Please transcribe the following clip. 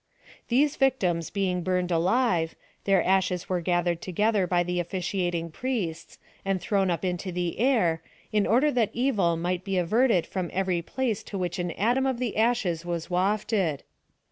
These victims being burned alive, their ashes were gathered together by.the offi ciating priests, and thrown up into the air, in order that evil might be averted from every place to which an atom of the ashes was wafted.